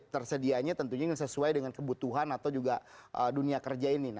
tersedianya tentunya sesuai dengan kebutuhan atau juga dunia kerja ini